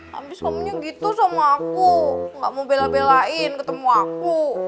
habis ngomongnya gitu sama aku gak mau bela belain ketemu aku